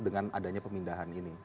dengan adanya pemindahan ini